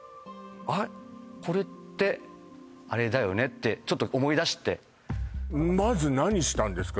あこれってあれだよねってちょっと思いだしてまず何したんですか？